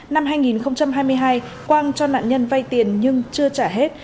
năm hai nghìn hai mươi hai quang cho nạn nhân vay tiền nhưng chưa trả hết